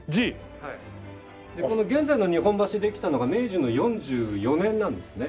でこの現在の日本橋できたのが明治の４４年なんですね。